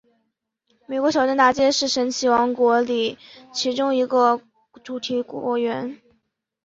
美国小镇大街是神奇王国里其中一个主题园区。